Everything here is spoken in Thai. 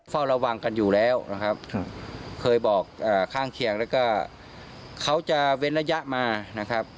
เฝ้าระวังกันอยู่แล้วนะครับเคยบอกข้างเคียงแล้วก็เขาจะเว้นระยะมานะครับ